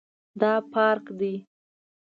دا پارک دی